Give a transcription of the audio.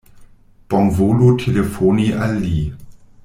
Bonvolu telefoni al li.